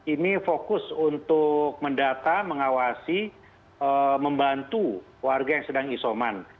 ini fokus untuk mendata mengawasi membantu warga yang sedang isoman